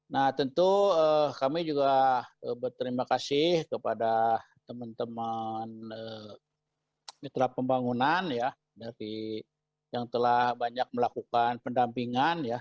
nah tentu kami juga berterima kasih kepada teman teman mitra pembangunan yang telah banyak melakukan pendampingan ya